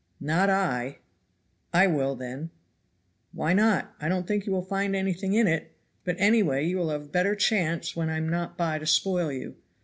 "Not I." "I will, then." "Why not? I don't think you will find anything in it, but anyway you will have a better chance when I am not by to spoil you.